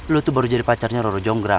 lo tuh baru jadi pacarnya roro jongra